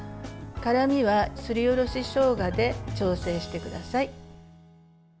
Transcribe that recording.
辛みはすりおろししょうがで調整してください。